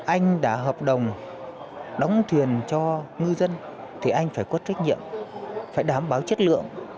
anh đã hợp đồng đóng thuyền cho ngư dân thì anh phải có trách nhiệm phải đảm bảo chất lượng